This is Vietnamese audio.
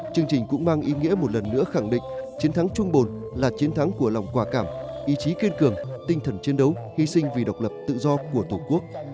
chương trình cũng mang ý nghĩa một lần nữa khẳng định chiến thắng chuồng bồn là chiến thắng của lòng quả cảm ý chí kiên cường tinh thần chiến đấu hy sinh vì độc lập tự do của tổ quốc